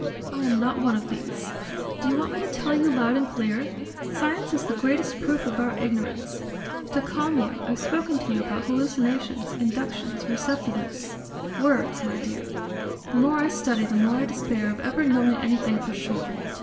I am not one of these. Do you want me to tell you loud and clear? Science is the greatest proof of our ignorance. To calm you, I've spoken to you about hallucinations, inductions, receptiveness ... Words, my dear! The more I study, the more I despair of ever knowing anything for sure.